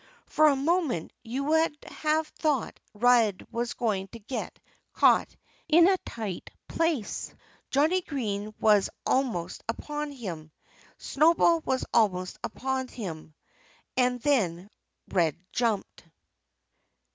For a moment you would have thought Red was going to get caught in a tight place. Johnnie Green was almost upon him. Snowball was almost upon him. And then Red jumped.